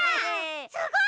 すごい！